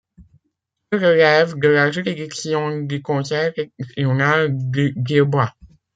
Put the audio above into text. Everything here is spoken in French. Il relève de la juridiction du Conseil régional de Guilboa.